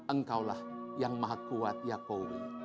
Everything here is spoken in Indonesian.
engkau lah yang maha kuat ya qawwi